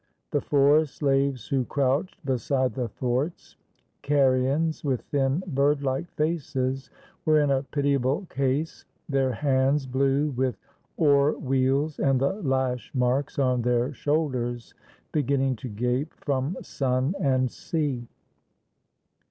The four slaves who crouched beside the thwarts — Carians, with thin, birdlike faces — were in a pitiable case, their hands blue with oar weals and the lash marks on their shoulders beginning to gape from sun and sea.